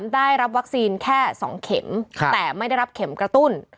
ได้รับวัคซีนแค่๒เข็มแต่ไม่ได้รับเข็มกระตุ้น